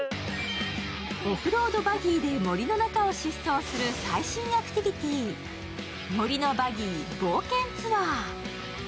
オフロードバギーで森の中を疾走する最新アクティビティー、森のバギー冒険ツアー。